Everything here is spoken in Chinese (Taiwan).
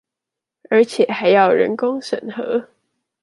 而且還要人工審核